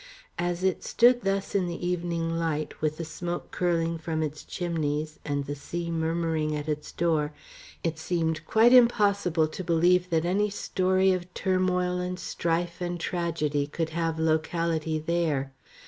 As it stood thus in the evening light, with the smoke curling from its chimneys, and the sea murmuring at its door, it seemed quite impossible to believe that any story of turmoil and strife and tragedy could have locality there.